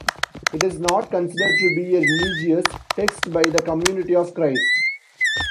It is not considered to be a religious text by the Community of Christ.